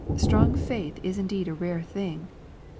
Strong faith is indeed a rare thing.